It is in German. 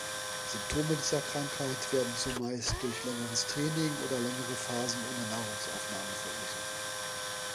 Symptome dieser Krankheit werden zumeist durch längeres Training oder längere Phasen ohne Nahrungsaufnahme verursacht.